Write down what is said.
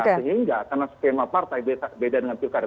sehingga karena skema partai beda dengan pilkada